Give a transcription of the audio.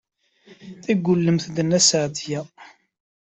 Teggullemt deg Nna Seɛdiya.